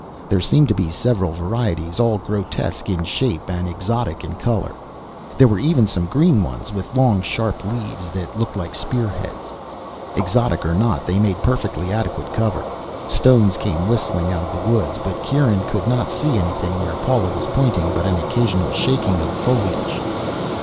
There seemed to be several varieties, all grotesque in shape and exotic in color. There were even some green ones, with long sharp leaves that looked like spearheads. Exotic or not, they made perfectly adequate cover. Stones came whistling out of the woods, but Kieran could not see anything where Paula was pointing but an occasional shaking of foliage.